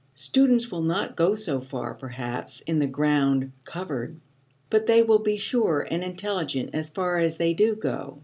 Students will not go so far, perhaps, in the "ground covered," but they will be sure and intelligent as far as they do go.